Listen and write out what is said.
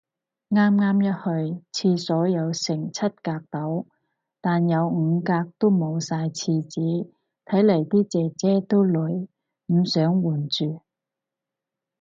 啱啱一去，廁所有成七格到。但有五格，都冇晒廁紙，睇嚟啲姐姐都累，唔想換住